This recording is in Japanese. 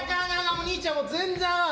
お兄ちゃん全然あかん。